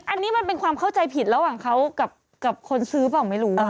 อันนี้มันเป็นความเข้าใจผิดระหว่างเขากับคนซื้อเปล่าไม่รู้